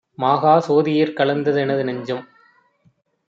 மாகாசோதி யிற்கலந்த தெனது நெஞ்சும்!